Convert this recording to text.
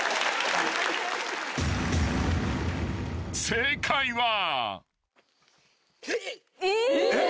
［正解は］